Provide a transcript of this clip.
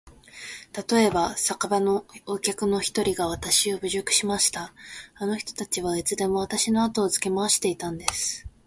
たとえば、酒場のお客の一人がわたしを侮辱しました。あの人たちはいつでもわたしのあとをつけ廻していたんです。